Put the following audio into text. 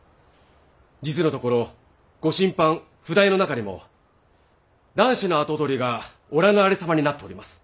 実のところご親藩譜代の中にも男子の跡取りがおらぬありさまになっております。